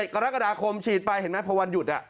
กรกฎาคมฉีดไปเห็นไหมพอวันหยุด